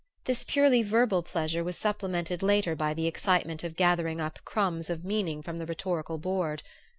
This purely verbal pleasure was supplemented later by the excitement of gathering up crumbs of meaning from the rhetorical board.